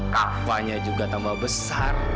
kavanya juga tambah besar